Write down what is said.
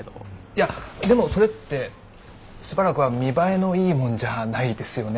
いやでもそれってしばらくは見栄えのいいもんじゃないですよね。